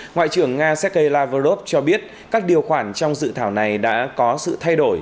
ngoại trưởng nga sergei lavrov cho biết các điều khoản trong dự thảo này đã có sự thay đổi